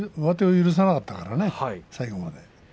上手を許さなかったからね、最後まで。